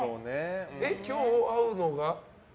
今日、会うのが？